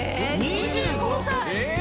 ・２５歳！？